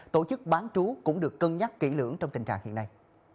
tổ chức bán trú cũng được cân nhắc kỹ lưỡng trong tình trạng hiện nay